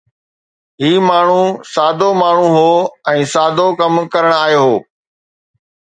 هي ماڻهو سادو ماڻهو هو ۽ سادو ڪم ڪرڻ آيو هو